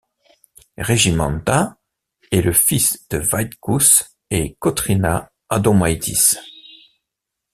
Regimantas est le fils de Vaïtkous et Kotrina Adomaitis.